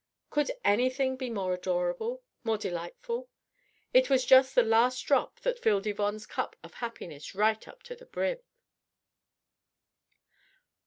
Could anything be more adorable, more delightful? It was just the last drop that filled Yvonne's cup of happiness right up to the brim.